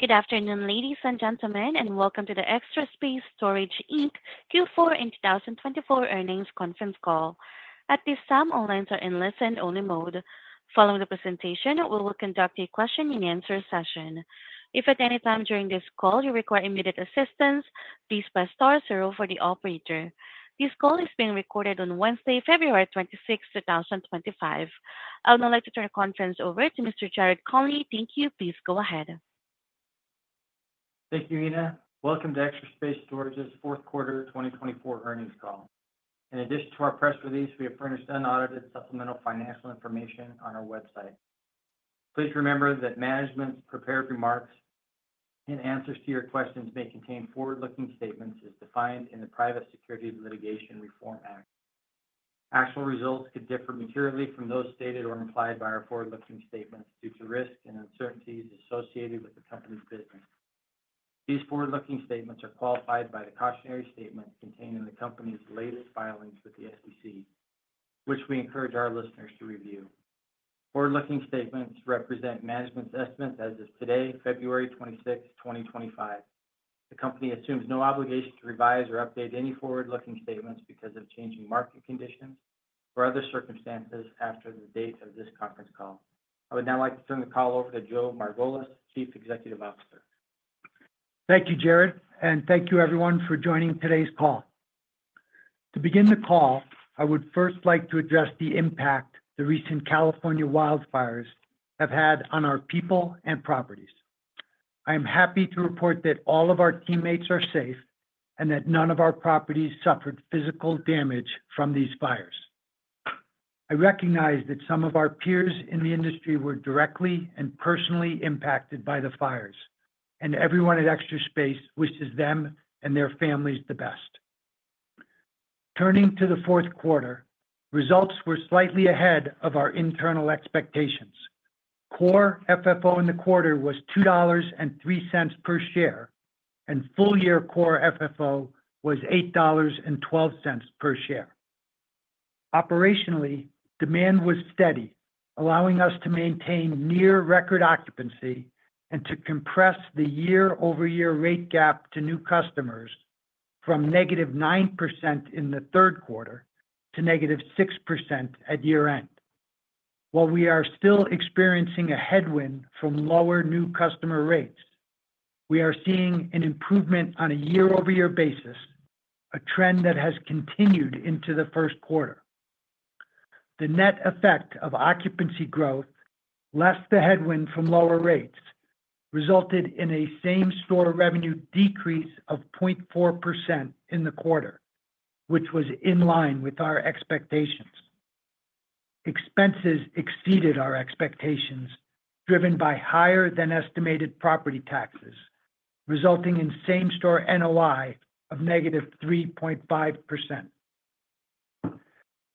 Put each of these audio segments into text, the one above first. Good afternoon, ladies and gentlemen, and welcome to the Extra Space Storage Inc Q4 and 2024 earnings conference call. At this time, all lines are in listen-only mode. Following the presentation, we will conduct a question-and-answer session. If at any time during this call you require immediate assistance, please press star zero for the operator. This call is being recorded on Wednesday, February 26th, 2025. I would now like to turn the conference over to Mr. Jared Conley. Thank you. Please go ahead. Thank you, Rina. Welcome to Extra Space Storage's fourth quarter 2024 earnings call. In addition to our press release, we have posted unaudited supplemental financial information on our website. Please remember that management's prepared remarks and answers to your questions may contain forward-looking statements as defined in the Private Securities Litigation Reform Act. Actual results could differ materially from those stated or implied by our forward-looking statements due to risks and uncertainties associated with the company's business. These forward-looking statements are qualified by the cautionary statements contained in the company's latest filings with the SEC, which we encourage our listeners to review. Forward-looking statements represent management's estimates as of today, February 26th, 2025. The company assumes no obligation to revise or update any forward-looking statements because of changing market conditions or other circumstances after the date of this conference call. I would now like to turn the call over to Joe Margolis, Chief Executive Officer. Thank you, Jared, and thank you, everyone, for joining today's call. To begin the call, I would first like to address the impact the recent California wildfires have had on our people and properties. I am happy to report that all of our teammates are safe and that none of our properties suffered physical damage from these fires. I recognize that some of our peers in the industry were directly and personally impacted by the fires, and everyone at Extra Space wishes them and their families the best. Turning to the fourth quarter, results were slightly ahead of our internal expectations. Core FFO in the quarter was $2.03 per share, and full-year core FFO was $8.12 per share. Operationally, demand was steady, allowing us to maintain near-record occupancy and to compress the year-over-year rate gap to new customers from negative 9% in the third quarter to negative 6% at year-end. While we are still experiencing a headwind from lower new customer rates, we are seeing an improvement on a year-over-year basis, a trend that has continued into the first quarter. The net effect of occupancy growth, less the headwind from lower rates, resulted in a same-store revenue decrease of 0.4% in the quarter, which was in line with our expectations. Expenses exceeded our expectations, driven by higher-than-estimated property taxes, resulting in same-store NOI of -3.5%.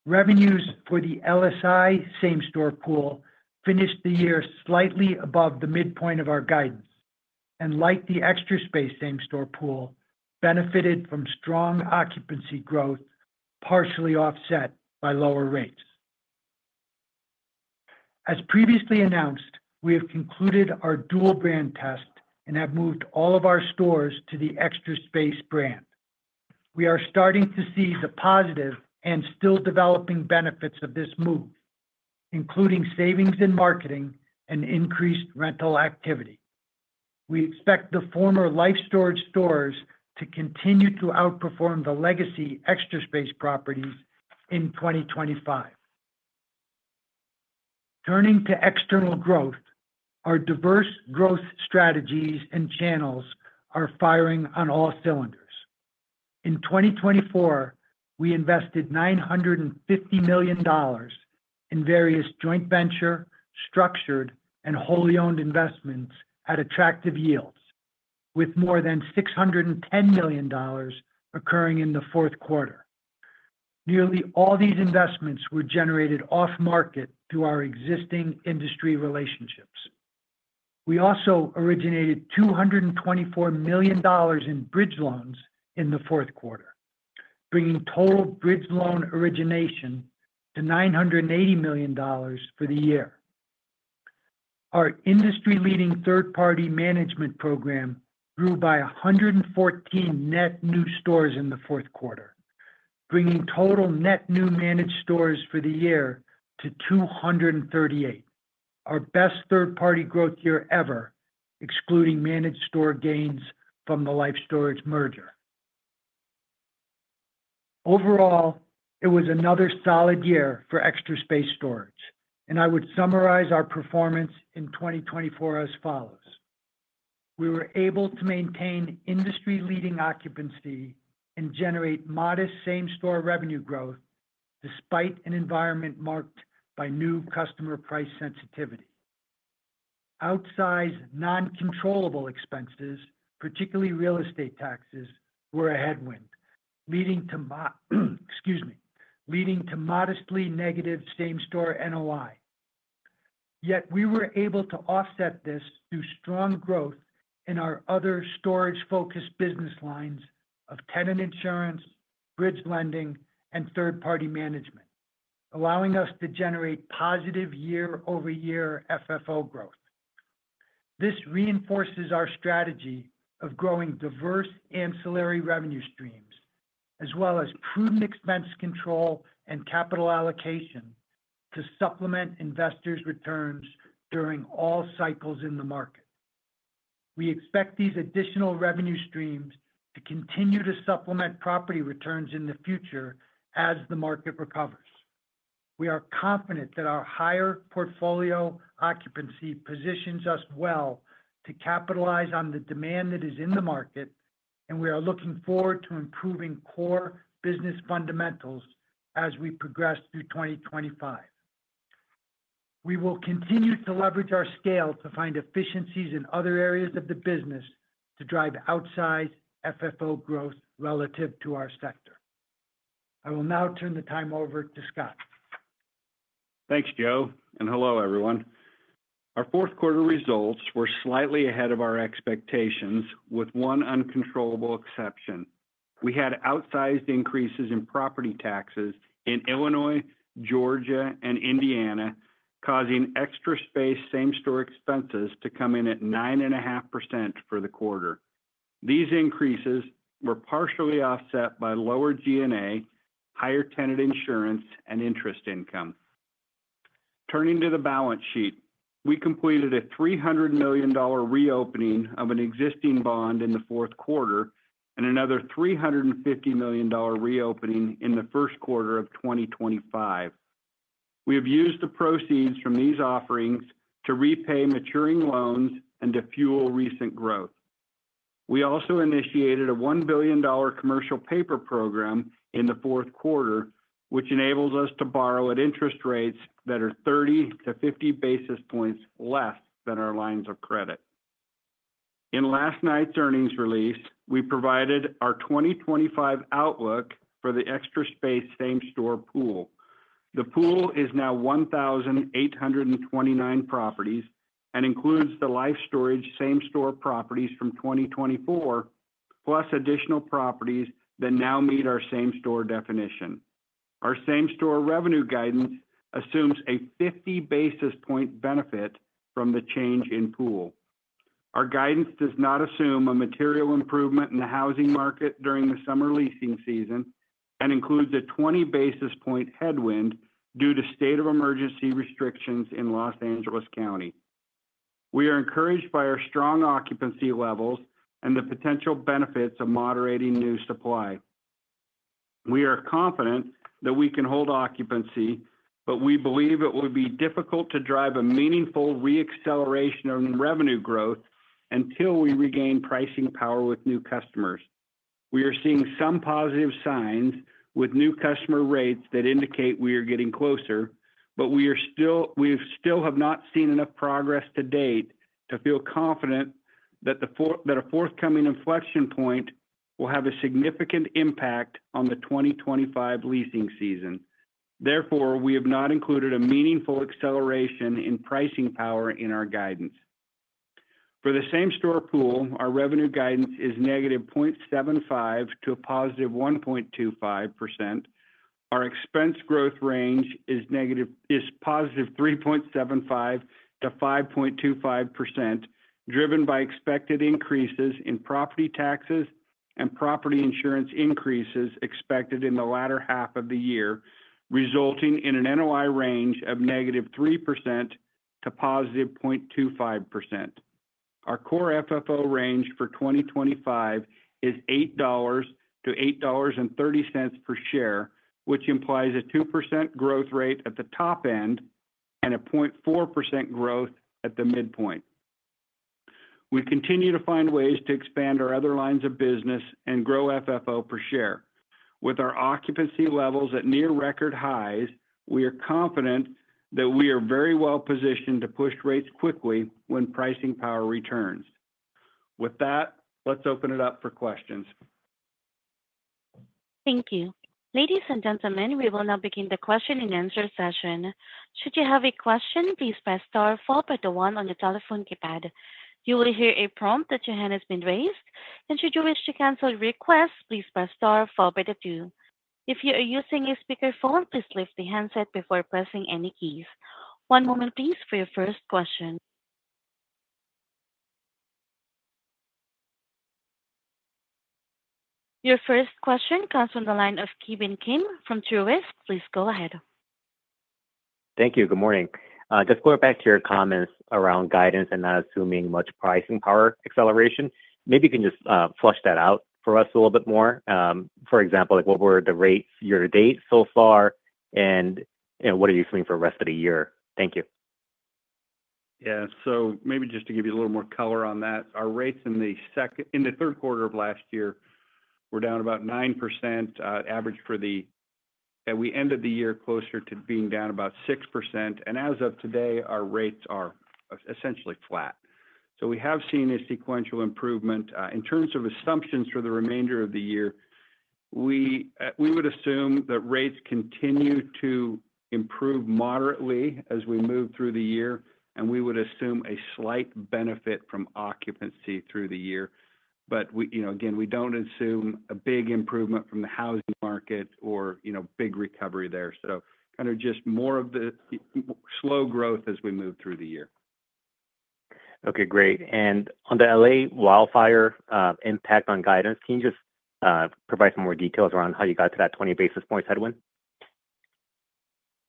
Revenues for the LSI same-store pool finished the year slightly above the midpoint of our guidance, and like the Extra Space same-store pool, benefited from strong occupancy growth, partially offset by lower rates. As previously announced, we have concluded our dual-brand test and have moved all of our stores to the Extra Space brand. We are starting to see the positive and still developing benefits of this move, including savings in marketing and increased rental activity. We expect the former Life Storage stores to continue to outperform the legacy Extra Space properties in 2025. Turning to external growth, our diverse growth strategies and channels are firing on all cylinders. In 2024, we invested $950 million in various joint venture, structured, and wholly-owned investments at attractive yields, with more than $610 million occurring in the fourth quarter. Nearly all these investments were generated off-market through our existing industry relationships. We also originated $224 million in bridge loans in the fourth quarter, bringing total bridge loan origination to $980 million for the year. Our industry-leading third-party management program grew by 114 net new stores in the fourth quarter, bringing total net new managed stores for the year to 238, our best third-party growth year ever, excluding managed store gains from the Life Storage merger. Overall, it was another solid year for Extra Space Storage, and I would summarize our performance in 2024 as follows: we were able to maintain industry-leading occupancy and generate modest same-store revenue growth despite an environment marked by new customer price sensitivity. Outsized non-controllable expenses, particularly real estate taxes, were a headwind, leading to modestly negative same-store NOI. Yet we were able to offset this through strong growth in our other storage-focused business lines of tenant insurance, bridge lending, and third-party management, allowing us to generate positive year-over-year FFO growth. This reinforces our strategy of growing diverse ancillary revenue streams, as well as prudent expense control and capital allocation to supplement investors' returns during all cycles in the market. We expect these additional revenue streams to continue to supplement property returns in the future as the market recovers. We are confident that our higher portfolio occupancy positions us well to capitalize on the demand that is in the market, and we are looking forward to improving core business fundamentals as we progress through 2025. We will continue to leverage our scale to find efficiencies in other areas of the business to drive outsized FFO growth relative to our sector. I will now turn the time over to Scott. Thanks, Joe, and hello, everyone. Our fourth quarter results were slightly ahead of our expectations, with one uncontrollable exception. We had outsized increases in property taxes in Illinois, Georgia, and Indiana, causing Extra Space same-store expenses to come in at 9.5% for the quarter. These increases were partially offset by lower G&A, higher tenant insurance, and interest income. Turning to the balance sheet, we completed a $300 million reopening of an existing bond in the fourth quarter and another $350 million reopening in the first quarter of 2025. We have used the proceeds from these offerings to repay maturing loans and to fuel recent growth. We also initiated a $1 billion commercial paper program in the fourth quarter, which enables us to borrow at interest rates that are 30-50 basis points less than our lines of credit. In last night's earnings release, we provided our 2025 outlook for the Extra Space same-store pool. The pool is now 1,829 properties and includes the Life Storage same-store properties from 2024, plus additional properties that now meet our same-store definition. Our same-store revenue guidance assumes a 50 basis point benefit from the change in pool. Our guidance does not assume a material improvement in the housing market during the summer leasing season and includes a 20 basis point headwind due to state of emergency restrictions in Los Angeles County. We are encouraged by our strong occupancy levels and the potential benefits of moderating new supply. We are confident that we can hold occupancy, but we believe it will be difficult to drive a meaningful re-acceleration in revenue growth until we regain pricing power with new customers. We are seeing some positive signs with new customer rates that indicate we are getting closer, but we still have not seen enough progress to date to feel confident that a forthcoming inflection point will have a significant impact on the 2025 leasing season. Therefore, we have not included a meaningful acceleration in pricing power in our guidance. For the same-store pool, our revenue guidance is -0.75% to +1.25%. Our expense growth range is 3.75%-5.25%, driven by expected increases in property taxes and property insurance increases expected in the latter half of the year, resulting in an NOI range of -3% to +0.25%. Our core FFO range for 2025 is $8.00-$8.30 per share, which implies a 2% growth rate at the top end and a 0.4% growth at the midpoint. We continue to find ways to expand our other lines of business and grow FFO per share. With our occupancy levels at near-record highs, we are confident that we are very well positioned to push rates quickly when pricing power returns. With that, let's open it up for questions. Thank you. Ladies and gentlemen, we will now begin the question-and-answer session. Should you have a question, please press star 4, button 1 on the telephone keypad. You will hear a prompt that your hand has been raised. And should you wish to cancel your request, please press star 4, button 2. If you are using a speakerphone, please lift the handset before pressing any keys. One moment, please, for your first question. Your first question comes from the line of Ki Bin Kim from Truist. Please go ahead. Thank you. Good morning. Just going back to your comments around guidance and not assuming much pricing power acceleration, maybe you can just flesh that out for us a little bit more. For example, what were the rates year-to-date so far, and what are you assuming for the rest of the year? Thank you. Yeah. So maybe just to give you a little more color on that, our rates in the third quarter of last year were down about 9% average, and we ended the year closer to being down about 6%. And as of today, our rates are essentially flat. So we have seen a sequential improvement. In terms of assumptions for the remainder of the year, we would assume that rates continue to improve moderately as we move through the year, and we would assume a slight benefit from occupancy through the year. But again, we don't assume a big improvement from the housing market or big recovery there. So kind of just more of the slow growth as we move through the year. Okay. Great, and on the LA wildfire impact on guidance, can you just provide some more details around how you got to that 20 basis points headwind?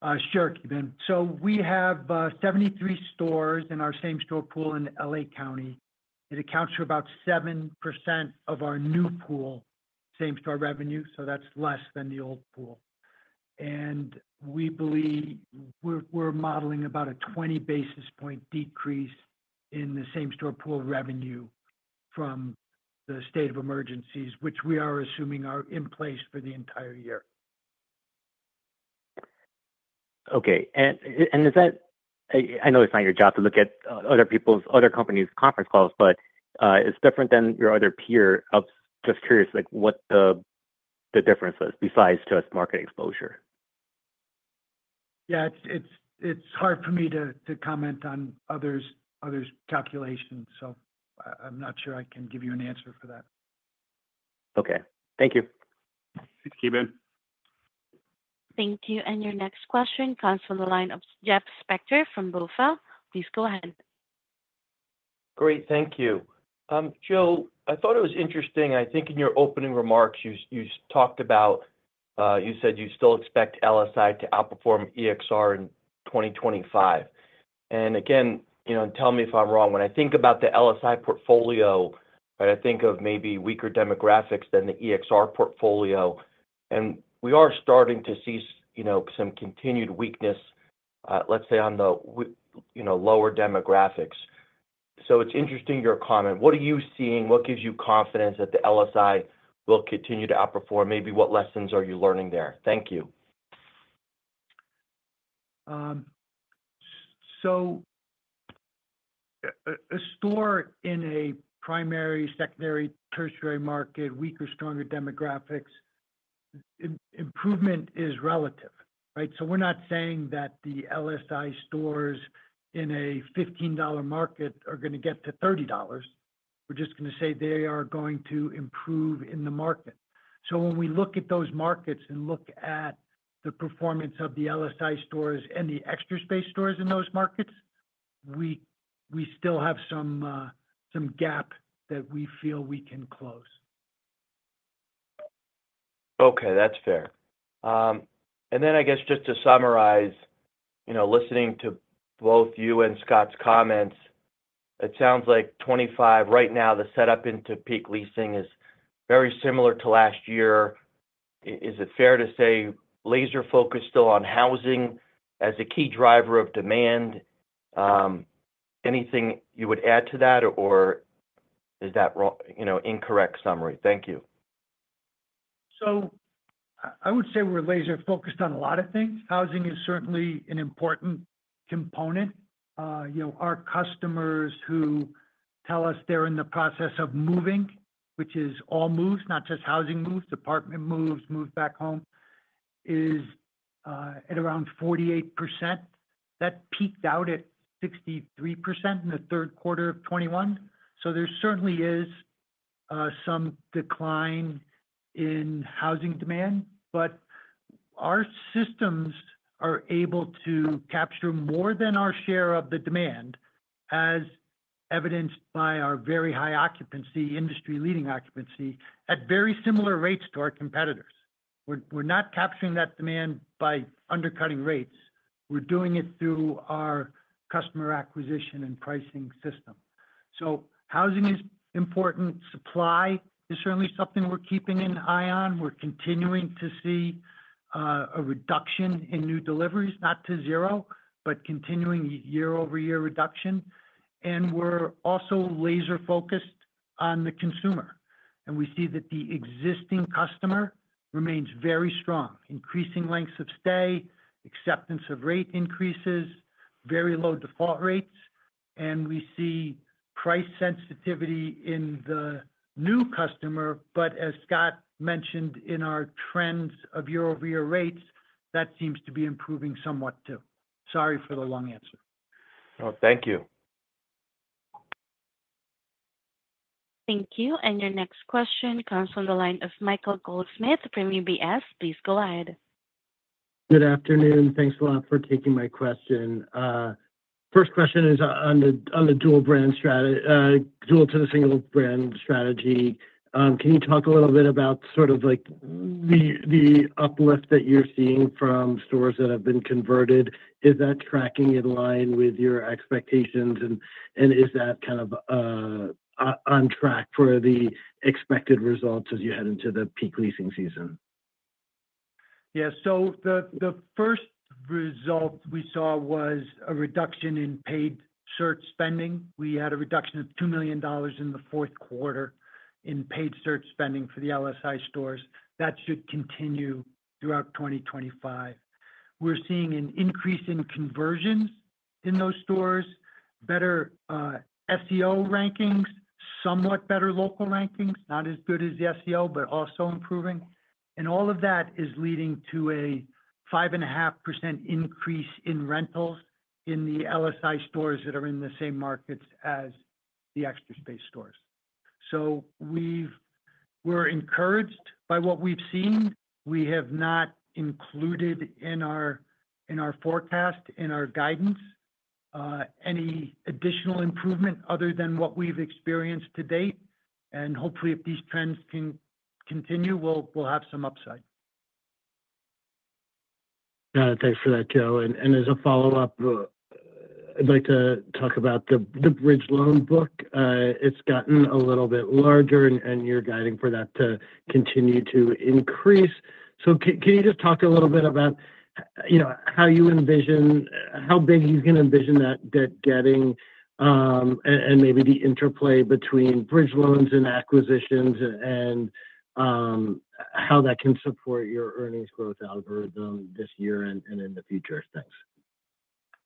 Ki Bin Kim. So we have 73 stores in our same-store pool in LA County. It accounts for about 7% of our new pool same-store revenue, so that's less than the old pool. And we're modeling about a 20 basis points decrease in the same-store pool revenue from the state of emergencies, which we are assuming are in place for the entire year. Okay. And I know it's not your job to look at other companies' conference calls, but it's different than your other peer. I'm just curious what the difference is besides just market exposure. Yeah. It's hard for me to comment on others' calculations, so I'm not sure I can give you an answer for that. Okay. Thank you. Thanks, Ki Bin. Thank you. And your next question comes from the line of Jeff Spector from BofA. Please go ahead. Great. Thank you. Joe, I thought it was interesting. I think in your opening remarks, you said you still expect LSI to outperform EXR in 2025. And again, tell me if I'm wrong. When I think about the LSI portfolio, I think of maybe weaker demographics than the EXR portfolio. And we are starting to see some continued weakness, let's say, on the lower demographics. So it's interesting your comment. What are you seeing? What gives you confidence that the LSI will continue to outperform? Maybe what lessons are you learning there? Thank you. So a store in a primary, secondary, tertiary market, weak or stronger demographics, improvement is relative, right? So we're not saying that the LSI stores in a $15 market are going to get to $30. We're just going to say they are going to improve in the market. So when we look at those markets and look at the performance of the LSI stores and the Extra Space stores in those markets, we still have some gap that we feel we can close. Okay. That's fair. And then I guess just to summarize, listening to both you and Scott's comments, it sounds like 25 right now, the setup into peak leasing is very similar to last year. Is it fair to say laser-focused still on housing as a key driver of demand? Anything you would add to that, or is that an incorrect summary? Thank you. So I would say we're laser-focused on a lot of things. Housing is certainly an important component. Our customers who tell us they're in the process of moving, which is all moves, not just housing moves, apartment moves, move back home, is at around 48%. That peaked out at 63% in the third quarter of 2021. So there certainly is some decline in housing demand. But our systems are able to capture more than our share of the demand, as evidenced by our very high occupancy, industry-leading occupancy, at very similar rates to our competitors. We're not capturing that demand by undercutting rates. We're doing it through our customer acquisition and pricing system. So housing is important. Supply is certainly something we're keeping an eye on. We're continuing to see a reduction in new deliveries, not to zero, but continuing year-over-year reduction, and we're also laser-focused on the consumer. And we see that the existing customer remains very strong: increasing lengths of stay, acceptance of rate increases, very low default rates. And we see price sensitivity in the new customer. But as Scott mentioned, in our trends of year-over-year rates, that seems to be improving somewhat too. Sorry for the long answer. Thank you. Thank you. And your next question comes from the line of Michael Goldsmith, UBS. Please go ahead. Good afternoon. Thanks a lot for taking my question. First question is on the dual-brand strategy, dual to the single-brand strategy. Can you talk a little bit about sort of the uplift that you're seeing from stores that have been converted? Is that tracking in line with your expectations, and is that kind of on track for the expected results as you head into the peak leasing season? Yeah. So the first result we saw was a reduction in paid search spending. We had a reduction of $2 million in the fourth quarter in paid search spending for the LSI stores. That should continue throughout 2025. We're seeing an increase in conversions in those stores, better SEO rankings, somewhat better local rankings, not as good as the SEO, but also improving. And all of that is leading to a 5.5% increase in rentals in the LSI stores that are in the same markets as the Extra Space stores. So we're encouraged by what we've seen. We have not included in our forecast, in our guidance, any additional improvement other than what we've experienced to date. And hopefully, if these trends can continue, we'll have some upside. Thanks for that, Joe. And as a follow-up, I'd like to talk about the bridge loan book. It's gotten a little bit larger, and you're guiding for that to continue to increase. So can you just talk a little bit about how you envision how big you can envision that debt getting and maybe the interplay between bridge loans and acquisitions and how that can support your earnings growth algorithm this year and in the future? Thanks.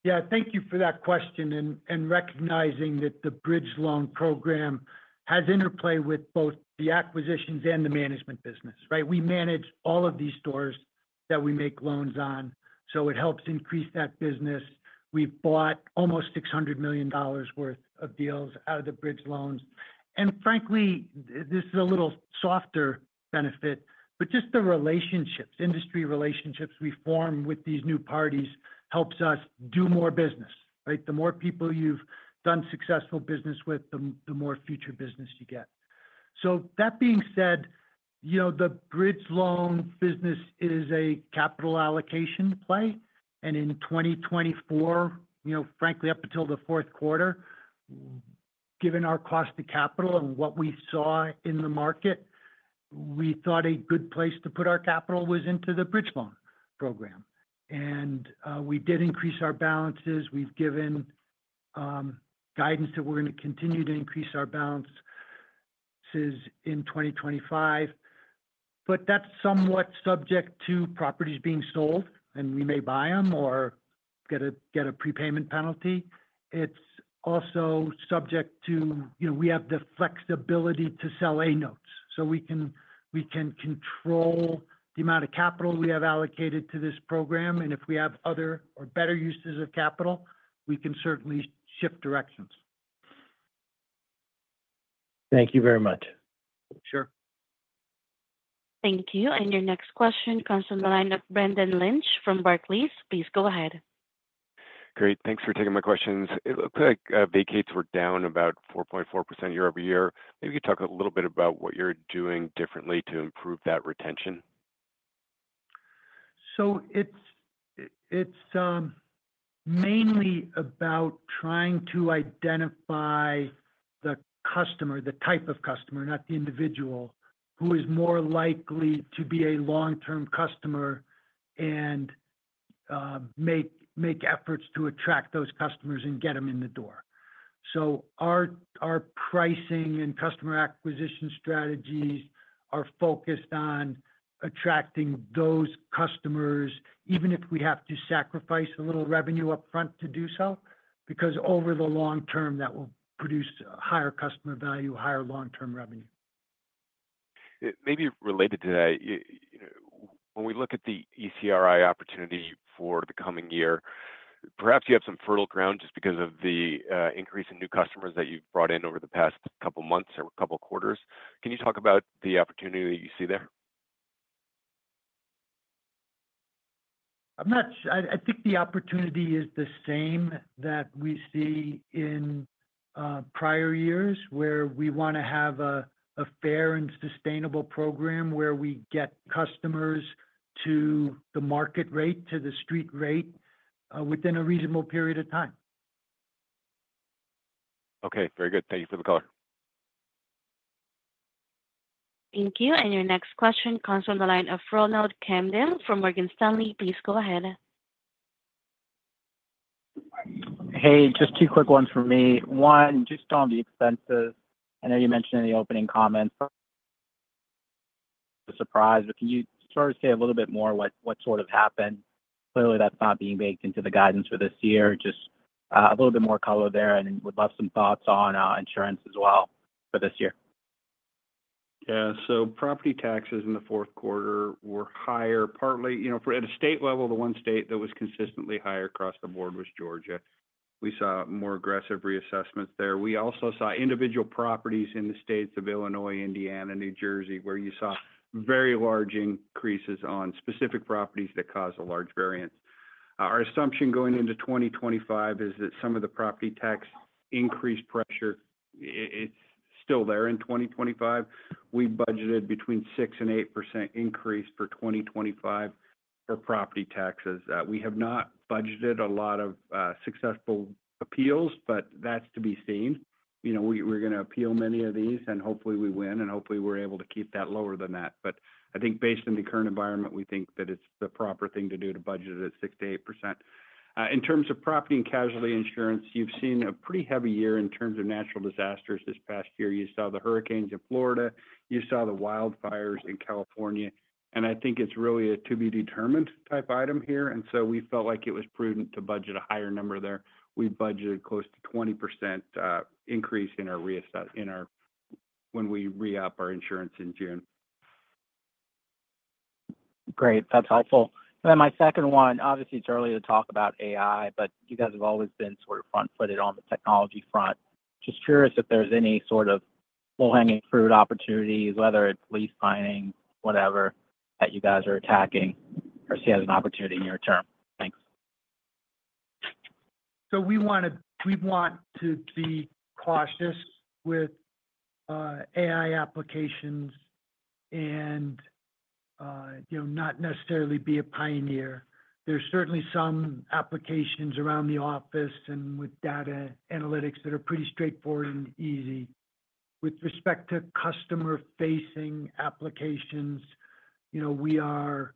Yeah. Thank you for that question and recognizing that the Bridge Loan program has interplay with both the acquisitions and the management business, right? We manage all of these stores that we make loans on, so it helps increase that business. We've bought almost $600 million worth of deals out of the bridge loans. And frankly, this is a little softer benefit, but just the relationships, industry relationships we form with these new parties helps us do more business, right? The more people you've done successful business with, the more future business you get. So that being said, the Bridge Loan business is a capital allocation play. And in 2024, frankly, up until the fourth quarter, given our cost of capital and what we saw in the market, we thought a good place to put our capital was into the Bridge Loan program. And we did increase our balances. We've given guidance that we're going to continue to increase our balances in 2025. But that's somewhat subject to properties being sold, and we may buy them or get a prepayment penalty. It's also subject to we have the flexibility to sell A-notes. So we can control the amount of capital we have allocated to this program. And if we have other or better uses of capital, we can certainly shift directions. Thank you very much. Sure. Thank you. And your next question comes from the line of Brendan Lynch from Barclays. Please go ahead. Great. Thanks for taking my questions. It looks like vacates were down about 4.4% year-over-year. Maybe you could talk a little bit about what you're doing differently to improve that retention? It's mainly about trying to identify the customer, the type of customer, not the individual, who is more likely to be a long-term customer and make efforts to attract those customers and get them in the door. Our pricing and customer acquisition strategies are focused on attracting those customers, even if we have to sacrifice a little revenue upfront to do so, because over the long term, that will produce higher customer value, higher long-term revenue. Maybe related to that, when we look at the ECRI opportunity for the coming year, perhaps you have some fertile ground just because of the increase in new customers that you've brought in over the past couple of months or couple of quarters. Can you talk about the opportunity that you see there? I think the opportunity is the same that we see in prior years where we want to have a fair and sustainable program where we get customers to the market rate, to the street rate within a reasonable period of time. Okay. Very good. Thank you for the call. Thank you. And your next question comes from the line of Ronald Kamden from Morgan Stanley. Please go ahead. Hey, just two quick ones for me. One, just on the expenses, I know you mentioned in the opening comments the surprise, but can you sort of say a little bit more what sort of happened? Clearly, that's not being baked into the guidance for this year. Just a little bit more color there and would love some thoughts on insurance as well for this year. Yeah, so property taxes in the fourth quarter were higher, partly. At a state level, the one state that was consistently higher across the board was Georgia. We saw more aggressive reassessments there. We also saw individual properties in the states of Illinois, Indiana, New Jersey, where you saw very large increases on specific properties that caused a large variance. Our assumption going into 2025 is that some of the property tax increase pressure, it's still there in 2025. We budgeted between 6% and 8% increase for 2025 for property taxes. We have not budgeted a lot of successful appeals, but that's to be seen. We're going to appeal many of these, and hopefully, we win, and hopefully, we're able to keep that lower than that. But I think based on the current environment, we think that it's the proper thing to do to budget it at 6%-8%. In terms of property and casualty insurance, you've seen a pretty heavy year in terms of natural disasters this past year. You saw the hurricanes in Florida. You saw the wildfires in California. And I think it's really a to-be-determined type item here. And so we felt like it was prudent to budget a higher number there. We budgeted close to 20% increase in our when we re-up our insurance in June. Great. That's helpful. And then my second one, obviously, it's early to talk about AI, but you guys have always been sort of front-footed on the technology front. Just curious if there's any sort of low-hanging fruit opportunity, whether it's lease signing, whatever, that you guys are attacking or see as an opportunity near term. Thanks. So we want to be cautious with AI applications and not necessarily be a pioneer. There's certainly some applications around the office and with data analytics that are pretty straightforward and easy. With respect to customer-facing applications, we are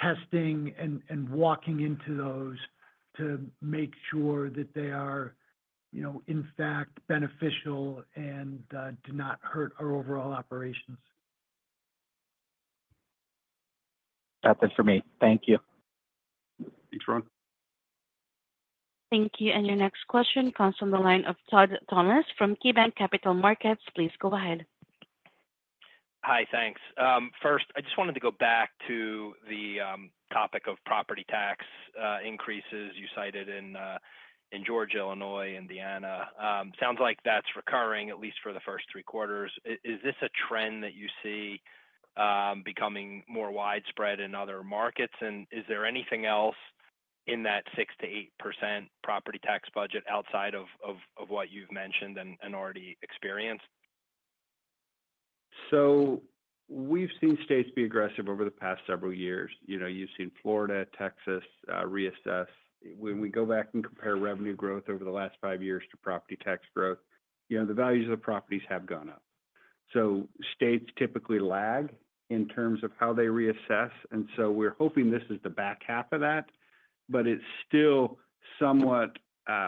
testing and walking into those to make sure that they are, in fact, beneficial and do not hurt our overall operations. That's it for me. Thank you. Thanks, Ron. Thank you. And your next question comes from the line of Todd Thomas from KeyBanc Capital Markets. Please go ahead. Hi, thanks. First, I just wanted to go back to the topic of property tax increases you cited in Georgia, Illinois, Indiana. Sounds like that's recurring, at least for the first three quarters. Is this a trend that you see becoming more widespread in other markets? And is there anything else in that 6%-8% property tax budget outside of what you've mentioned and already experienced? So we've seen states be aggressive over the past several years. You've seen Florida, Texas reassess. When we go back and compare revenue growth over the last five years to property tax growth, the values of the properties have gone up. So states typically lag in terms of how they reassess. And so we're hoping this is the back half of that, but it's still somewhat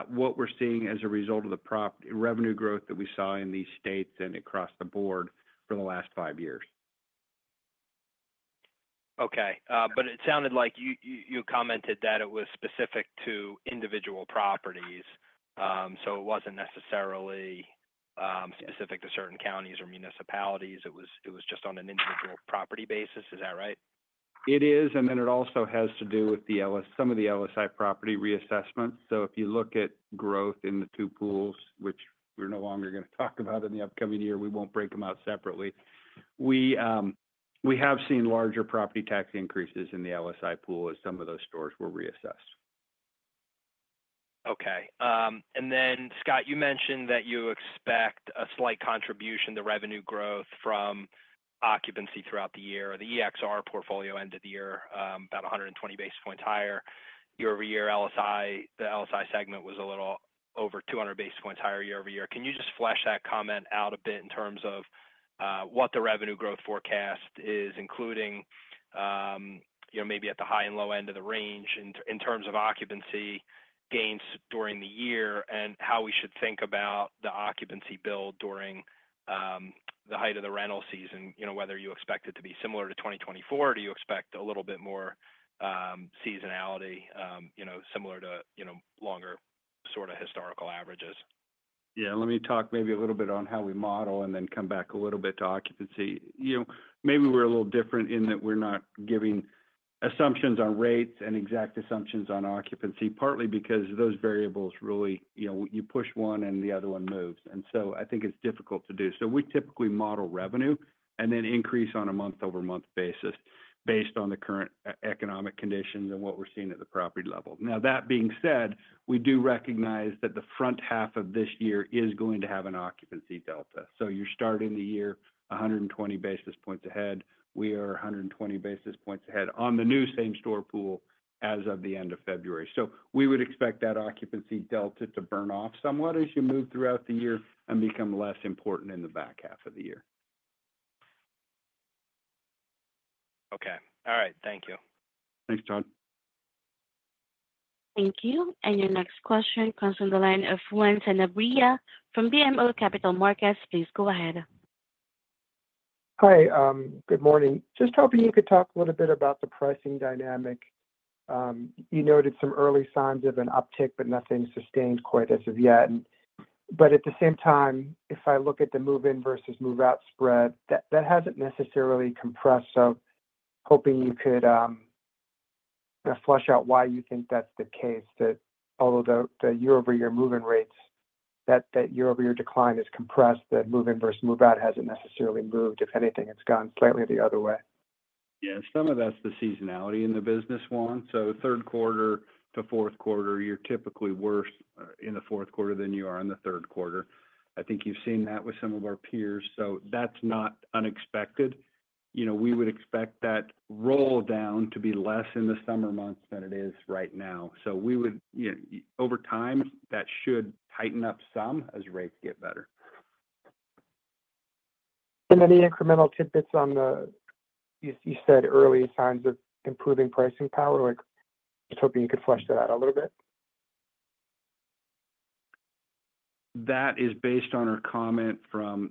what we're seeing as a result of the revenue growth that we saw in these states and across the board for the last five years. Okay. But it sounded like you commented that it was specific to individual properties. So it wasn't necessarily specific to certain counties or municipalities. It was just on an individual property basis. Is that right? It is. And then it also has to do with some of the LSI property reassessments. So if you look at growth in the two pools, which we're no longer going to talk about in the upcoming year, we won't break them out separately. We have seen larger property tax increases in the LSI pool as some of those stores were reassessed. Okay. And then, Scott, you mentioned that you expect a slight contribution to revenue growth from occupancy throughout the year. The EXR portfolio ended the year about 120 basis points higher. Year-over-year, the LSI segment was a little over 200 basis points higher year-over-year. Can you just flesh that comment out a bit in terms of what the revenue growth forecast is, including maybe at the high and low end of the range in terms of occupancy gains during the year and how we should think about the occupancy build during the height of the rental season? Whether you expect it to be similar to 2024, or do you expect a little bit more seasonality, similar to longer sort of historical averages? Yeah. Let me talk maybe a little bit on how we model and then come back a little bit to occupancy. Maybe we're a little different in that we're not giving assumptions on rates and exact assumptions on occupancy, partly because those variables really you push one and the other one moves. And so I think it's difficult to do. So we typically model revenue and then increase on a month-over-month basis based on the current economic conditions and what we're seeing at the property level. Now, that being said, we do recognize that the front half of this year is going to have an occupancy delta. So you're starting the year 120 basis points ahead. We are 120 basis points ahead on the new same-store pool as of the end of February. So we would expect that occupancy delta to burn off somewhat as you move throughout the year and become less important in the back half of the year. Okay. All right. Thank you. Thanks, Todd. Thank you. And your next question comes from the line of Juan Sanabria from BMO Capital Markets. Please go ahead. Hi. Good morning. Just hoping you could talk a little bit about the pricing dynamic. You noted some early signs of an uptick, but nothing sustained quite as of yet. But at the same time, if I look at the move-in versus move-out spread, that hasn't necessarily compressed. So hoping you could flesh out why you think that's the case, that although the year-over-year move-in rates, that year-over-year decline is compressed, that move-in versus move-out hasn't necessarily moved. If anything, it's gone slightly the other way. Yeah. Some of that's the seasonality in the business, Ron. So third quarter to fourth quarter, you're typically worse in the fourth quarter than you are in the third quarter. I think you've seen that with some of our peers. So that's not unexpected. We would expect that roll down to be less in the summer months than it is right now. So over time, that should tighten up some as rates get better. And any incremental tidbits on the, you said, early signs of improving pricing power? Just hoping you could flesh that out a little bit. That is based on our comment.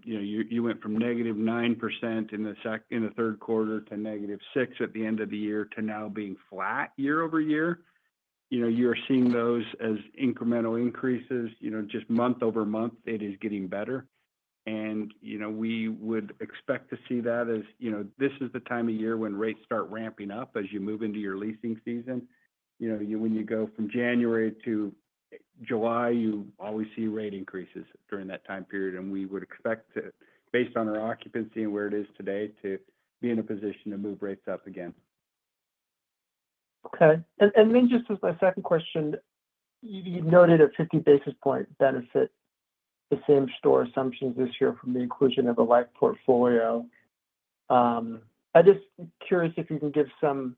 You went from negative 9% in the third quarter to negative 6% at the end of the year to now being flat year-over-year. You are seeing those as incremental increases. Just month-over-month, it is getting better, and we would expect to see that as this is the time of year when rates start ramping up as you move into your leasing season. When you go from January to July, you always see rate increases during that time period, and we would expect, based on our occupancy and where it is today, to be in a position to move rates up again. Okay. And then just as my second question, you noted a 50 basis points benefit to the same-store assumptions this year from the inclusion of the Life portfolio. I'm just curious if you can give some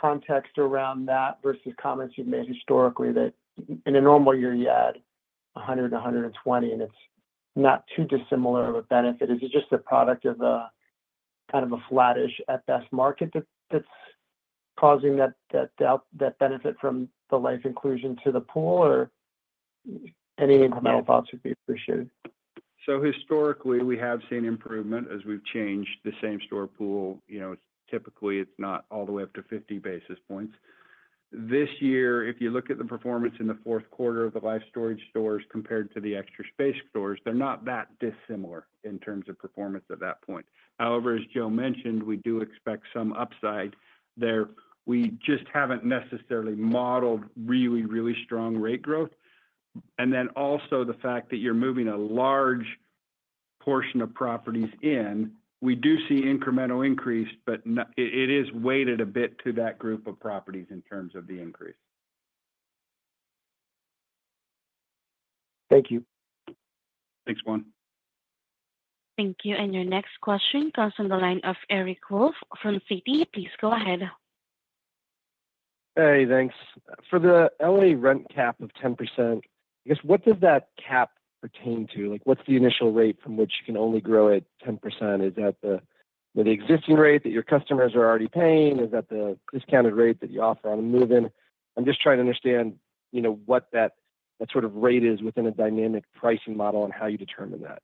context around that versus comments you've made historically that in a normal year, you add 100 and 120, and it's not too dissimilar of a benefit. Is it just a product of kind of a flattish at-best market that's causing that benefit from the Life inclusion to the pool, or any incremental thoughts would be appreciated? Historically, we have seen improvement as we've changed the same-store pool. Typically, it's not all the way up to 50 basis points. This year, if you look at the performance in the fourth quarter of the Life Storage stores compared to the Extra Space stores, they're not that dissimilar in terms of performance at that point. However, as Joe mentioned, we do expect some upside there. We just haven't necessarily modeled really, really strong rate growth. Then also the fact that you're moving a large portion of properties in, we do see incremental increase, but it is weighted a bit to that group of properties in terms of the increase. Thank you. Thanks, Juan. Thank you. And your next question comes from the line of Eric Wolfe from Citi. Please go ahead. Hey, thanks. For the LA rent cap of 10%, I guess what does that cap pertain to? What's the initial rate from which you can only grow at 10%? Is that the existing rate that your customers are already paying? Is that the discounted rate that you offer on a move-in? I'm just trying to understand what that sort of rate is within a dynamic pricing model and how you determine that.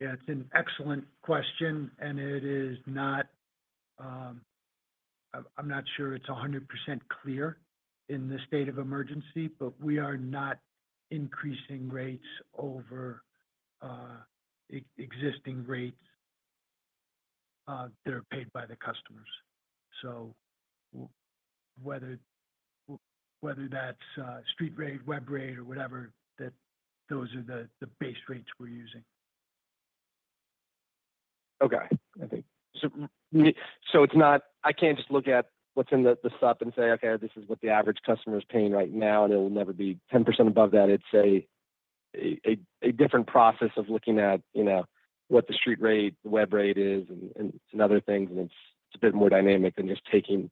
Yeah. It's an excellent question. And I'm not sure it's 100% clear in the state of emergency, but we are not increasing rates over existing rates that are paid by the customers. So whether that's street rate, web rate, or whatever, those are the base rates we're using. Okay, so I can't just look at what's in the Supp and say, "Okay, this is what the average customer is paying right now," and it will never be 10% above that. It's a different process of looking at what the street rate, the web rate is, and other things, and it's a bit more dynamic than just taking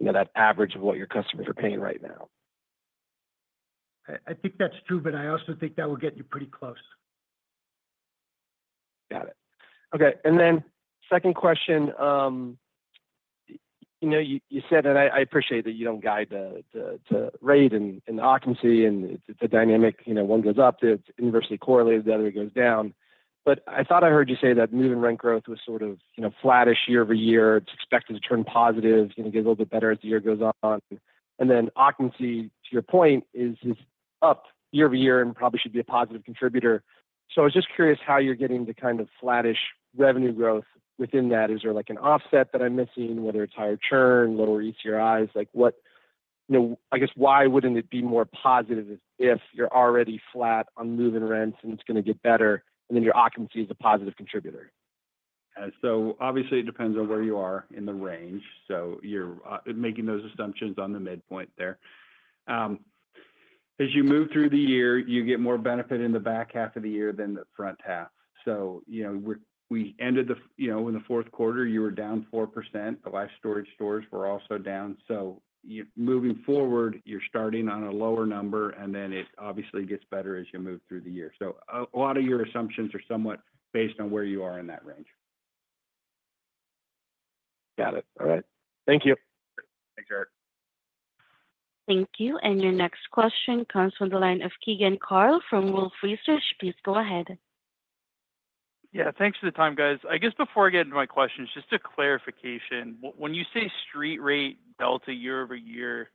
that average of what your customers are paying right now. I think that's true, but I also think that would get you pretty close. Got it. Okay. And then second question, you said that. I appreciate that you don't guide to rate and occupancy and the dynamic. One goes up, it's inversely correlated. The other one goes down. But I thought I heard you say that moving rent growth was sort of flattish year-over-year. It's expected to turn positive, get a little bit better as the year goes on. And then occupancy, to your point, is up year-over-year and probably should be a positive contributor. So I was just curious how you're getting the kind of flattish revenue growth within that. Is there an offset that I'm missing, whether it's higher churn, lower ECRIs? I guess, why wouldn't it be more positive if you're already flat on moving rents and it's going to get better, and then your occupancy is a positive contributor? So obviously, it depends on where you are in the range. So you're making those assumptions on the midpoint there. As you move through the year, you get more benefit in the back half of the year than the front half. So we ended in the fourth quarter, you were down 4%. The Life Storage stores were also down. So moving forward, you're starting on a lower number, and then it obviously gets better as you move through the year. So a lot of your assumptions are somewhat based on where you are in that range. Got it. All right. Thank you. Thanks, Eric. Thank you. And your next question comes from the line of Keegan Carl from Wolfe Research. Please go ahead. Yeah. Thanks for the time, guys. I guess before I get into my questions, just a clarification. When you say street rate delta year-over-year, is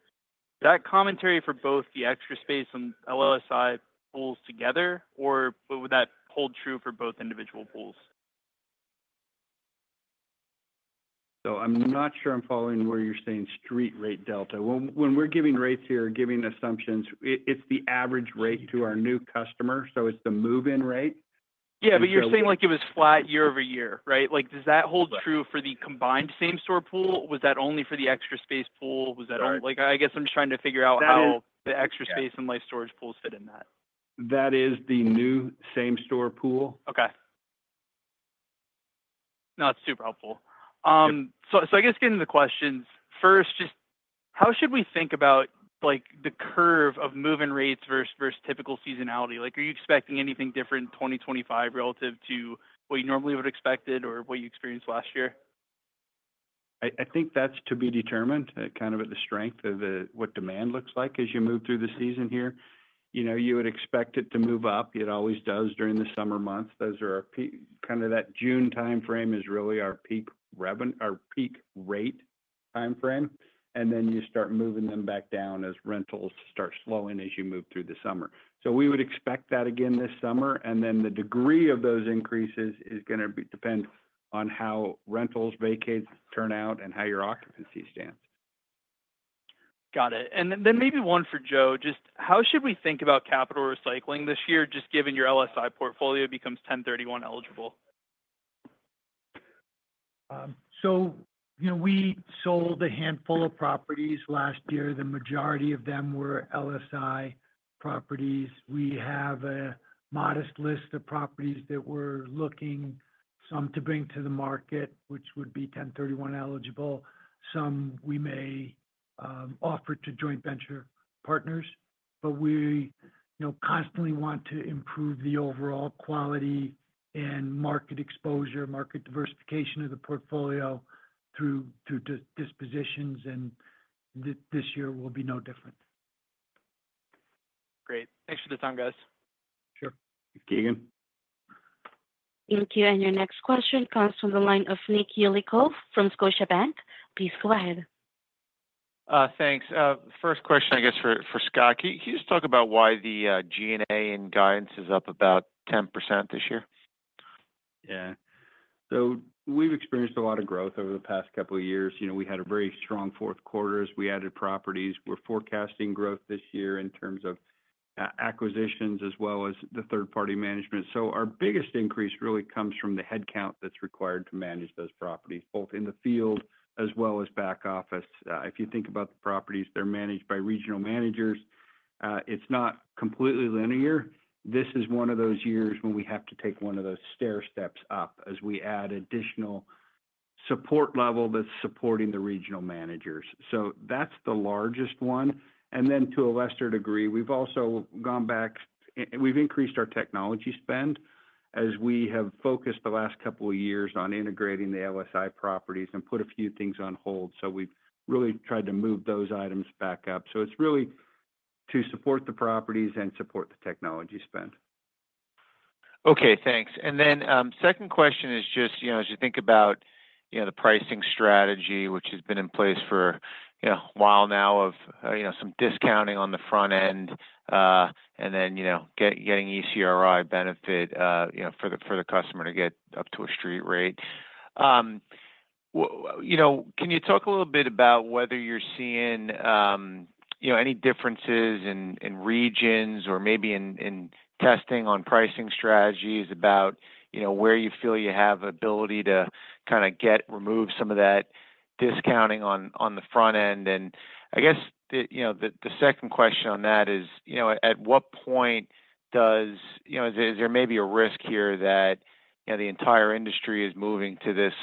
that commentary for both the Extra Space and Life Storage pools together, or would that hold true for both individual pools? So I'm not sure I'm following where you're saying street rate delta. When we're giving rates here or giving assumptions, it's the average rate to our new customer. So it's the move-in rate. Yeah. But you're saying it was flat year-over-year, right? Does that hold true for the combined same-store pool? Was that only for the Extra Space pool? Was that only? I guess I'm just trying to figure out how the Extra Space and Life Storage pools fit in that. That is the new same-store pool. Okay. No, that's super helpful. So I guess getting to the questions, first, just how should we think about the curve of moving rates versus typical seasonality? Are you expecting anything different in 2025 relative to what you normally would have expected or what you experienced last year? I think that's to be determined kind of at the strength of what demand looks like as you move through the season here. You would expect it to move up. It always does during the summer months. Kind of that June timeframe is really our peak rate timeframe, and then you start moving them back down as rentals start slowing as you move through the summer, so we would expect that again this summer, and then the degree of those increases is going to depend on how rentals, vacates turn out, and how your occupancy stands. Got it. And then maybe one for Joe. Just how should we think about capital recycling this year, just given your LSI portfolio becomes 1031-eligible? So we sold a handful of properties last year. The majority of them were LSI properties. We have a modest list of properties that we're looking some to bring to the market, which would be 1031 eligible. Some we may offer to joint venture partners. But we constantly want to improve the overall quality and market exposure, market diversification of the portfolio through dispositions. And this year will be no different. Great. Thanks for the time, guys. Sure. Keegan. Thank you. And your next question comes from the line of Nick Yulico from Scotiabank. Please go ahead. Thanks. First question, I guess, for Scott. Can you just talk about why the G&A and guidance is up about 10% this year? Yeah. So we've experienced a lot of growth over the past couple of years. We had a very strong fourth quarter as we added properties. We're forecasting growth this year in terms of acquisitions as well as the third-party management. So our biggest increase really comes from the headcount that's required to manage those properties, both in the field as well as back office. If you think about the properties, they're managed by regional managers. It's not completely linear. This is one of those years when we have to take one of those stair steps up as we add additional support level that's supporting the regional managers. So that's the largest one. And then to a lesser degree, we've also gone back. We've increased our technology spend as we have focused the last couple of years on integrating the LSI properties and put a few things on hold. So we've really tried to move those items back up. So it's really to support the properties and support the technology spend. Okay. Thanks. And then second question is just as you think about the pricing strategy, which has been in place for a while now of some discounting on the front end and then getting ECRI benefit for the customer to get up to a street rate. Can you talk a little bit about whether you're seeing any differences in regions or maybe in testing on pricing strategies about where you feel you have ability to kind of remove some of that discounting on the front end? And I guess the second question on that is, at what point is there maybe a risk here that the entire industry is moving to this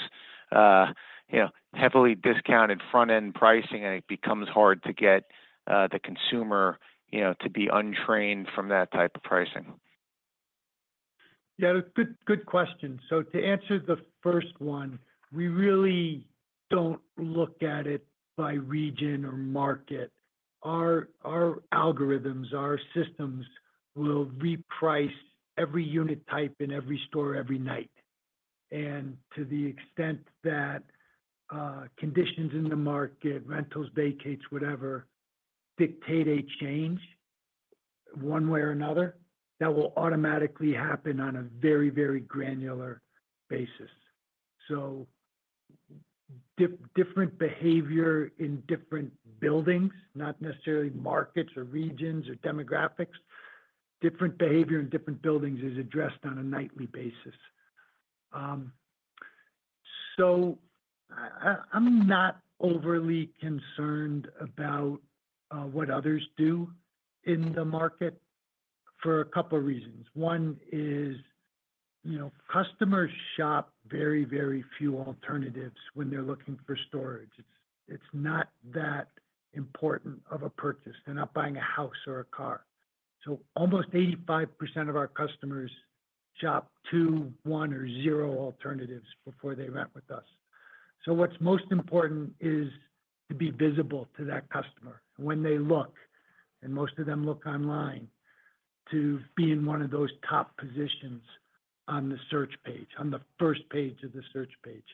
heavily discounted front-end pricing, and it becomes hard to get the consumer to be untrained from that type of pricing? Yeah. Good question. So to answer the first one, we really don't look at it by region or market. Our algorithms, our systems will reprice every unit type in every store every night. And to the extent that conditions in the market, rentals, vacates, whatever, dictate a change one way or another, that will automatically happen on a very, very granular basis. So different behavior in different buildings, not necessarily markets or regions or demographics. Different behavior in different buildings is addressed on a nightly basis. So I'm not overly concerned about what others do in the market for a couple of reasons. One is customers shop very, very few alternatives when they're looking for storage. It's not that important of a purchase. They're not buying a house or a car. So almost 85% of our customers shop two, one, or zero alternatives before they rent with us. So what's most important is to be visible to that customer when they look, and most of them look online, to be in one of those top positions on the search page, on the first page of the search page.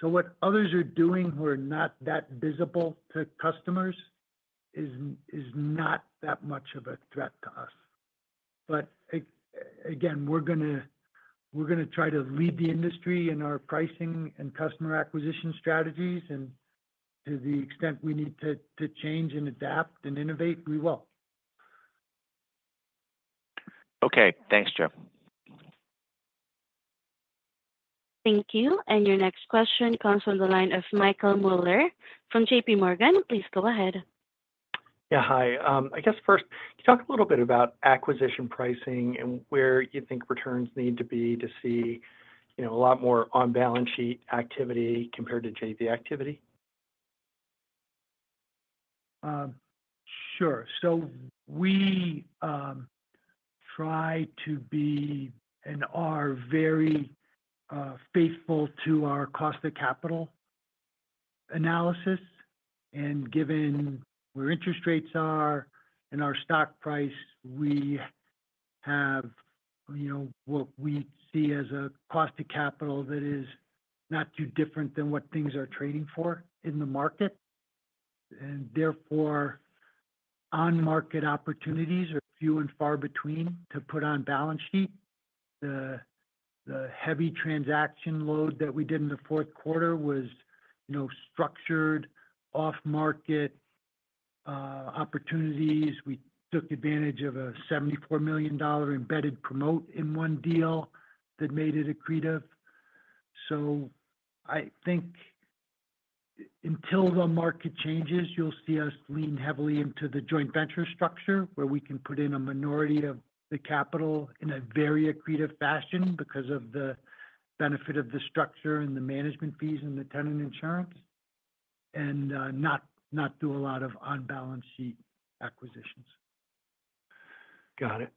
So what others are doing who are not that visible to customers is not that much of a threat to us. But again, we're going to try to lead the industry in our pricing and customer acquisition strategies. And to the extent we need to change and adapt and innovate, we will. Okay. Thanks, Joe. Thank you. And your next question comes from the line of Michael Mueller from JPMorgan. Please go ahead. Yeah. Hi. I guess first, can you talk a little bit about acquisition pricing and where you think returns need to be to see a lot more on-balance sheet activity compared to JV activity? Sure. So we try to be and are very faithful to our cost of capital analysis. And given where interest rates are and our stock price, we have what we see as a cost of capital that is not too different than what things are trading for in the market. And therefore, on-market opportunities are few and far between to put on balance sheet. The heavy transaction load that we did in the fourth quarter was structured off-market opportunities. We took advantage of a $74 million embedded promote in one deal that made it accretive. So I think until the market changes, you'll see us lean heavily into the joint venture structure where we can put in a minority of the capital in a very accretive fashion because of the benefit of the structure and the management fees and the tenant insurance and not do a lot of on-balance sheet acquisitions. Got it.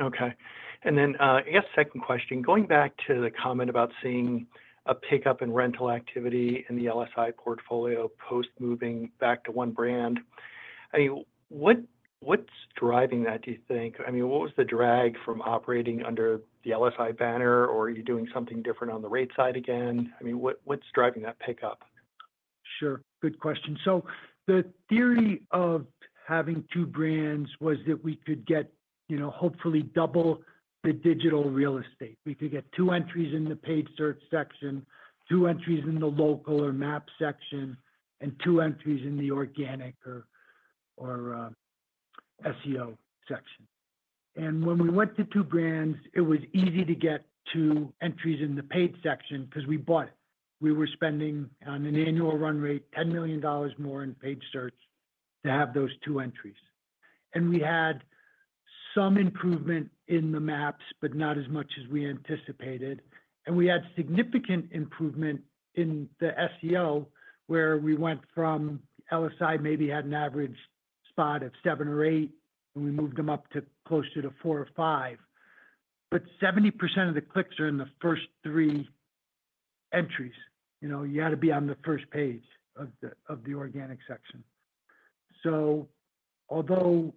Okay. And then I guess second question, going back to the comment about seeing a pickup in rental activity in the LSI portfolio post-moving back to one brand, I mean, what's driving that, do you think? I mean, what was the drag from operating under the LSI banner, or are you doing something different on the rate side again? I mean, what's driving that pickup? Sure. Good question. So the theory of having two brands was that we could get hopefully double the digital real estate. We could get two entries in the paid search section, two entries in the local or map section, and two entries in the organic or SEO section. And when we went to two brands, it was easy to get two entries in the paid section because we bought it. We were spending on an annual run rate $10 million more in paid search to have those two entries. And we had some improvement in the maps, but not as much as we anticipated. And we had significant improvement in the SEO where we went from LSI maybe had an average spot of seven or eight, and we moved them up to closer to four or five. But 70% of the clicks are in the first three entries. You had to be on the first page of the organic section, so although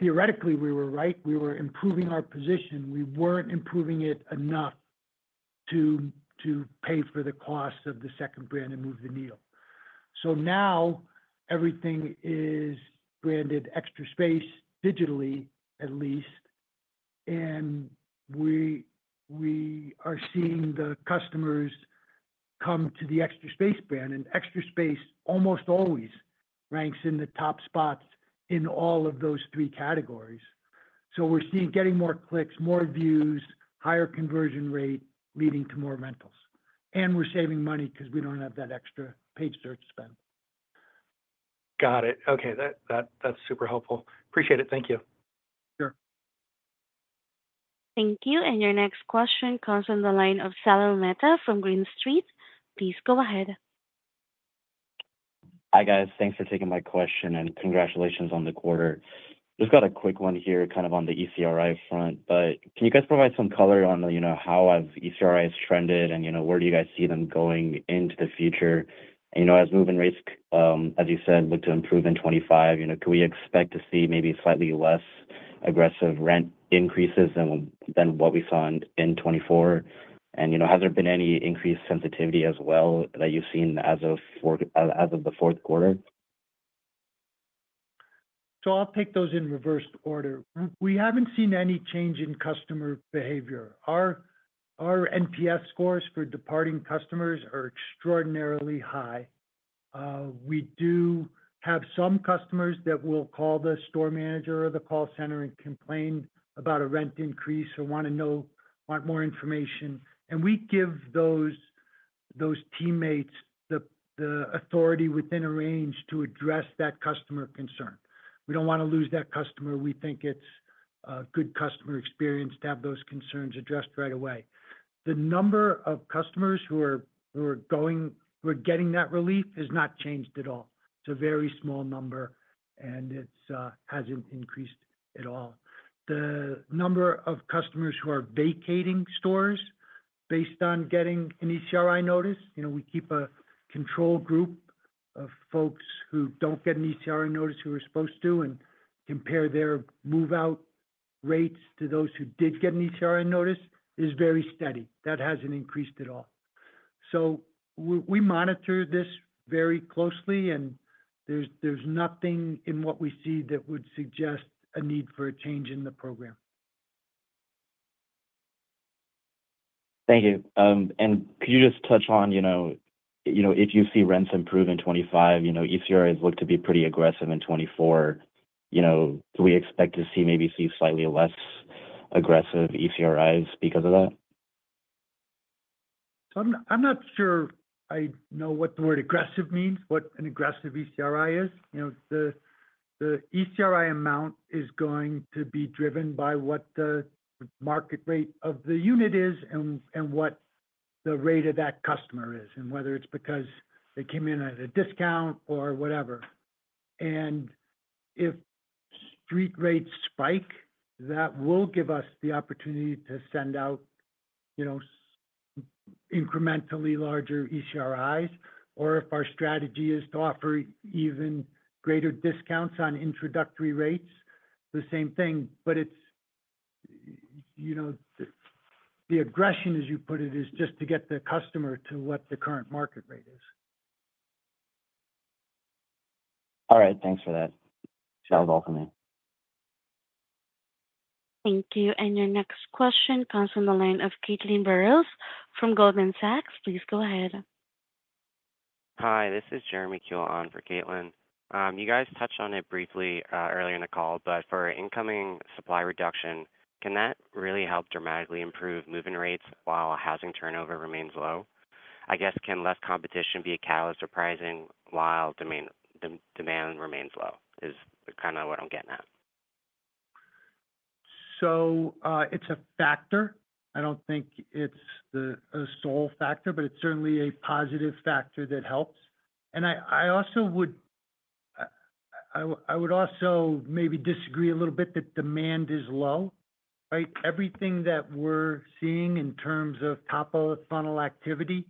theoretically we were right, we were improving our position, we weren't improving it enough to pay for the cost of the second brand and move the needle. So now everything is branded Extra Space digitally, at least, and we are seeing the customers come to the Extra Space brand, and Extra Space almost always ranks in the top spots in all of those three categories, so we're getting more clicks, more views, higher conversion rate leading to more rentals, and we're saving money because we don't have that extra paid search spend. Got it. Okay. That's super helpful. Appreciate it. Thank you. Sure. Thank you. And your next question comes from the line of Sumit Beniwal from Green Street. Please go ahead. Hi, guys. Thanks for taking my question and congratulations on the quarter. Just got a quick one here kind of on the ECRI front, but can you guys provide some color on how ECRI has trended and where do you guys see them going into the future? As move-in rates, as you said, look to improve in 2025, can we expect to see maybe slightly less aggressive rent increases than what we saw in 2024? And has there been any increased sensitivity as well that you've seen as of the fourth quarter? I'll take those in reverse order. We haven't seen any change in customer behavior. Our NPS scores for departing customers are extraordinarily high. We do have some customers that will call the store manager or the call center and complain about a rent increase or want more information. We give those teammates the authority within a range to address that customer concern. We don't want to lose that customer. We think it's a good customer experience to have those concerns addressed right away. The number of customers who are getting that relief has not changed at all. It's a very small number, and it hasn't increased at all. The number of customers who are vacating stores based on getting an ECRI notice, we keep a control group of folks who don't get an ECRI notice who are supposed to, and compare their move-out rates to those who did get an ECRI notice, is very steady. That hasn't increased at all. So we monitor this very closely, and there's nothing in what we see that would suggest a need for a change in the program. Thank you. And could you just touch on if you see rents improve in 2025? ECRIs look to be pretty aggressive in 2024. Do we expect to see maybe slightly less aggressive ECRIs because of that? I'm not sure I know what the word aggressive means, what an aggressive ECRI is. The ECRI amount is going to be driven by what the market rate of the unit is and what the rate of that customer is and whether it's because they came in at a discount or whatever. And if street rates spike, that will give us the opportunity to send out incrementally larger ECRIs, or if our strategy is to offer even greater discounts on introductory rates, the same thing. But the aggression, as you put it, is just to get the customer to what the current market rate is. All right. Thanks for that. That was all for me. Thank you. Your next question comes from the line of Caitlin Burrows from Goldman Sachs. Please go ahead. Hi. This is Jeremy Kielhorn for Caitlin. You guys touched on it briefly earlier in the call, but for incoming supply reduction, can that really help dramatically improve moving rates while housing turnover remains low? I guess can less competition be a catalyst for pricing while demand remains low? Is kind of what I'm getting at. So it's a factor. I don't think it's a sole factor, but it's certainly a positive factor that helps. And I would also maybe disagree a little bit that demand is low, right? Everything that we're seeing in terms of top-of-funnel activity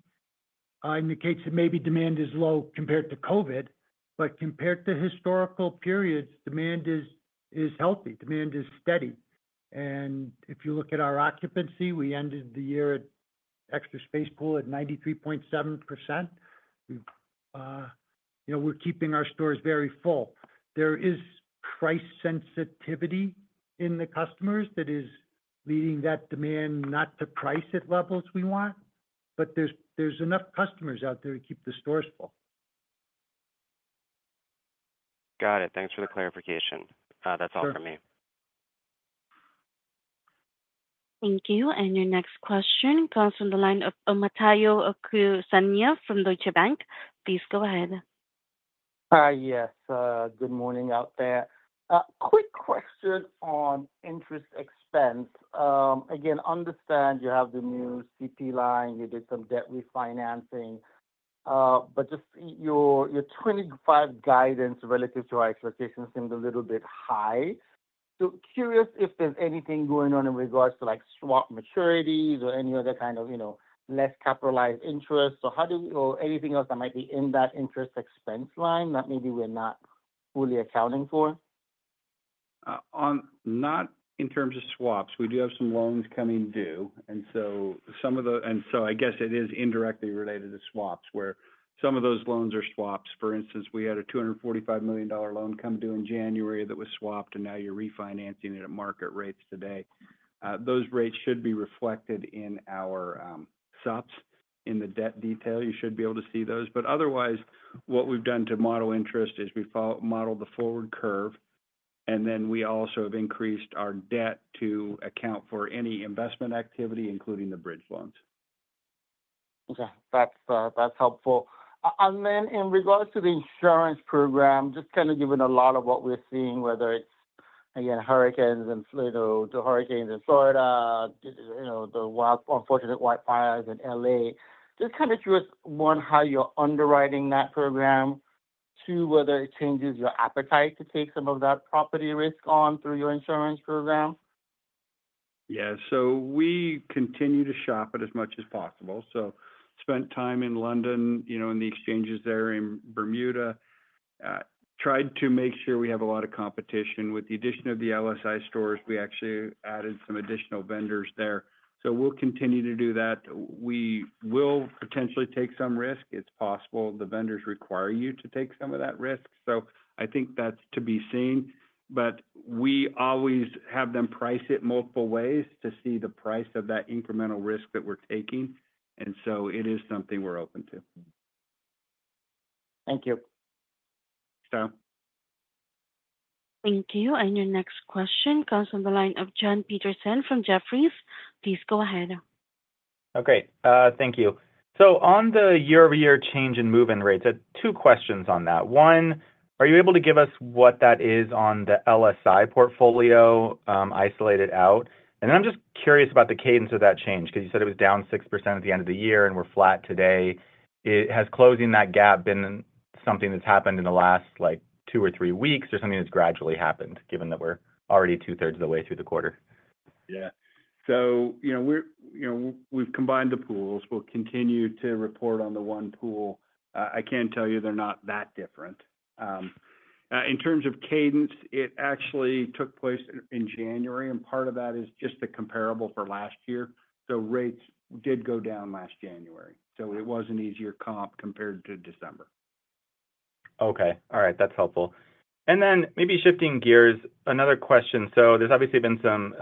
indicates that maybe demand is low compared to COVID. But compared to historical periods, demand is healthy. Demand is steady. And if you look at our occupancy, we ended the year at Extra Space pool at 93.7%. We're keeping our stores very full. There is price sensitivity in the customers that is leading that demand not to price at levels we want, but there's enough customers out there to keep the stores full. Got it. Thanks for the clarification. That's all for me. Thank you. And your next question comes from the line of Omotayo Okusanya from Deutsche Bank. Please go ahead. Hi. Yes. Good morning out there. Quick question on interest expense. Again, understand you have the new CP line. You did some debt refinancing. But just your 2025 guidance relative to our expectations seemed a little bit high. So curious if there's anything going on in regards to swap maturities or any other kind of less capitalized interest or anything else that might be in that interest expense line that maybe we're not fully accounting for? Not in terms of swaps. We do have some loans coming due. And so some of the, I guess it is indirectly related to swaps where some of those loans are swaps. For instance, we had a $245 million loan come due in January that was swapped, and now you're refinancing it at market rates today. Those rates should be reflected in our supps in the debt detail. You should be able to see those. But otherwise, what we've done to model interest is we've modeled the forward curve, and then we also have increased our debt to account for any investment activity, including the bridge loans. Okay. That's helpful. And then in regards to the insurance program, just kind of given a lot of what we're seeing, whether it's, again, hurricanes in Florida, the unfortunate wildfires in LA, just kind of want to know how you're underwriting that program to whether it changes your appetite to take some of that property risk on through your insurance program. Yeah. So we continue to shop it as much as possible. So spent time in London in the exchanges there in Bermuda, tried to make sure we have a lot of competition. With the addition of the LSI stores, we actually added some additional vendors there. So we'll continue to do that. We will potentially take some risk. It's possible the vendors require you to take some of that risk. So I think that's to be seen. But we always have them price it multiple ways to see the price of that incremental risk that we're taking. And so it is something we're open to. Thank you. Thanks too. Thank you. And your next question comes from the line of Jon Petersen from Jefferies. Please go ahead. Okay. Thank you. So on the year-over-year change in moving rates, I have two questions on that. One, are you able to give us what that is on the LSI portfolio isolated out? And then I'm just curious about the cadence of that change because you said it was down 6% at the end of the year and we're flat today. Has closing that gap been something that's happened in the last two or three weeks or something that's gradually happened given that we're already two-thirds of the way through the quarter? Yeah. So we've combined the pools. We'll continue to report on the one pool. I can tell you they're not that different. In terms of cadence, it actually took place in January, and part of that is just the comparable for last year. So rates did go down last January. So it was an easier comp compared to December. Okay. All right. That's helpful. And then maybe shifting gears, another question. So there's obviously been some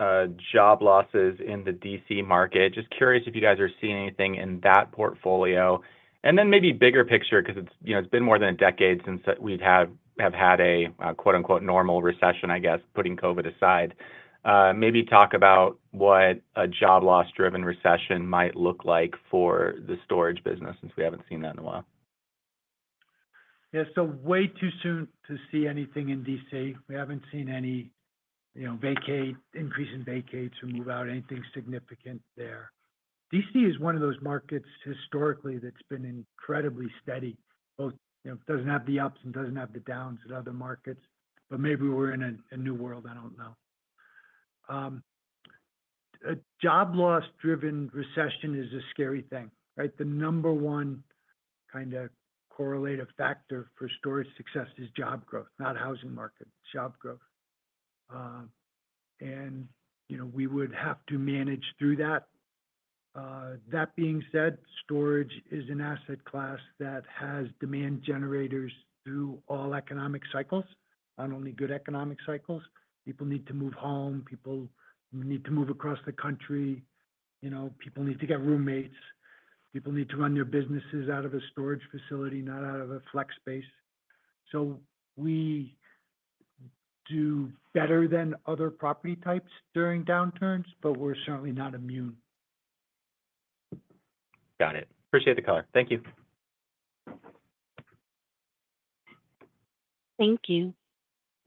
job losses in the D.C. market. Just curious if you guys are seeing anything in that portfolio. And then maybe bigger picture because it's been more than a decade since we've had a "normal recession," I guess, putting COVID aside. Maybe talk about what a job loss-driven recession might look like for the storage business since we haven't seen that in a while. Yeah. So way too soon to see anything in D.C. We haven't seen any increase in vacates or move-out, anything significant there. D.C. is one of those markets historically that's been incredibly steady, both doesn't have the ups and doesn't have the downs in other markets. But maybe we're in a new world. I don't know. A job loss-driven recession is a scary thing, right? The number one kind of correlative factor for storage success is job growth, not housing market, job growth. And we would have to manage through that. That being said, storage is an asset class that has demand generators through all economic cycles, not only good economic cycles. People need to move home. People need to move across the country. People need to get roommates. People need to run their businesses out of a storage facility, not out of a flex space. So we do better than other property types during downturns, but we're certainly not immune. Got it. Appreciate the color. Thank you. Thank you.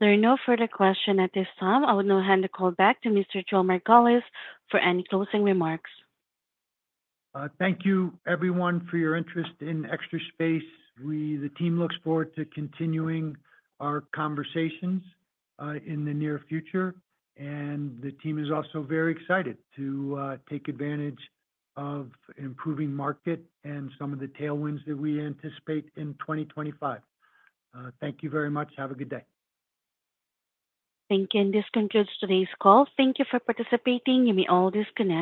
There are no further questions at this time. I will now hand the call back to Mr. Joe Margolis for any closing remarks. Thank you, everyone, for your interest in Extra Space. The team looks forward to continuing our conversations in the near future. And the team is also very excited to take advantage of improving market and some of the tailwinds that we anticipate in 2025. Thank you very much. Have a good day. Thank you. This concludes today's call. Thank you for participating. You may always connect.